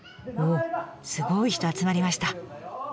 すごい人集まりました！